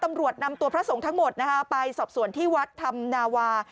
ตำรวจนำตัวพระสงฆ์ทั้งหมดไปสอบสวนที่วัดธรรมนาวา